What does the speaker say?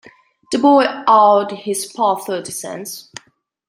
The boy owed his pal thirty cents.